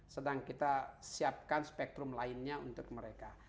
sedang kita siapkan spektrum lainnya untuk mereka